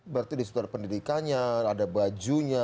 berarti di situ ada pendidikannya ada bajunya